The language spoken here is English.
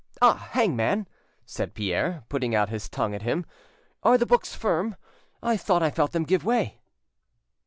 "Ah, Hangman," said Pierre, putting out his tongue at him, "are the books firm? I thought I felt them give way."